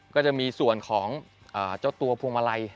ก็จะมีส่วนของเจ้าตัวพวงมาลัย